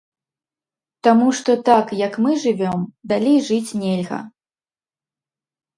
Таму што так, як мы жывём, далей жыць нельга.